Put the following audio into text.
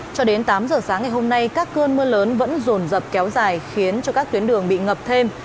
cho đến tám giờ sáng ngày hôm nay các cơn mưa lớn vẫn rồn rập kéo dài khiến cho các tuyến đường bị ngập thêm